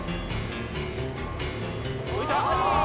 浮いた！